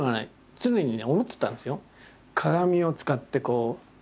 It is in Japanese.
常に思ってたんですよ。